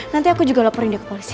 nanti aku juga laporin ke polisi